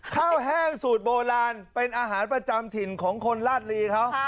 แห้งสูตรโบราณเป็นอาหารประจำถิ่นของคนราชลีเขา